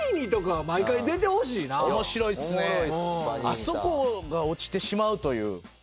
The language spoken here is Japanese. あそこが落ちてしまうという。